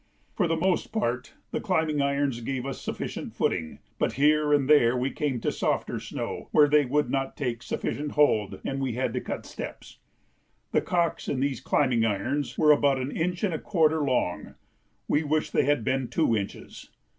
For the most part the climbing irons gave us sufficient footing, but here and there we came to softer snow, where they would not take sufficient hold and we had to cut steps. The calks in these climbing irons were about an inch and a quarter long; we wished they had been two inches.